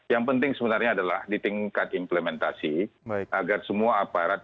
yang penting sebenarnya adalah di tingkat implementasi agar semua aparat